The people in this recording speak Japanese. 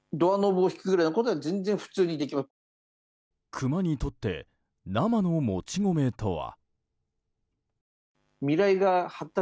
クマにとって生のもち米とは。